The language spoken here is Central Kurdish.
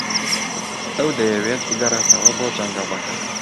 ئەو دەیەوێت بگەڕێتەوە بۆ جەنگەڵەکە.